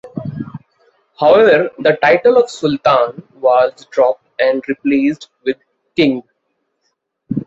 However, the title of Sultan was dropped and replaced with King.